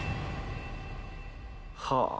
はあ。